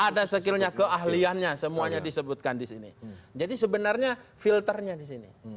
ada skillnya keahliannya semuanya disebutkan disini jadi sebenarnya filternya disini